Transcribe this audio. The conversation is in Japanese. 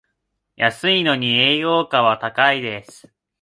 安いのに栄養価は高いです